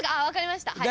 分かりました。